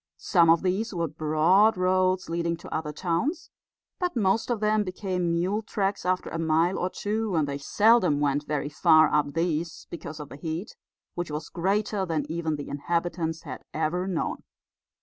Some of these were broad roads leading to other towns, but most of them became mule tracks after a mile or two; and they seldom went very far up these because of the heat, which was greater then even the inhabitants had ever known.